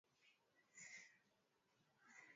Ndipo alipokulia na kuishi akifanya kazi ya ufundi